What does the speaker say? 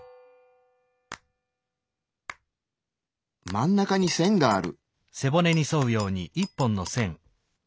真ん中に線がある。